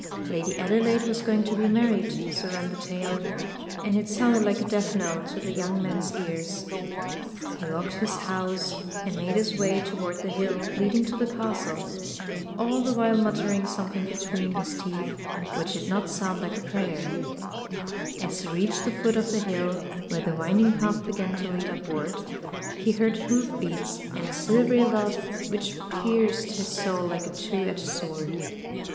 Lady Adelaide was going to be married, so ran the tale, and it sounded like a death knell in the young man's ears. He locked his house, and made his way toward the hill leading to the castle, all the while muttering something between Tales of Modern Germany 143 his teeth which did not sound like a prayer» As he reached the foot of the hill where the winding path began to lead upward, he heard hoof beats and a silvery laugh which pierced his soul like a two edged sword.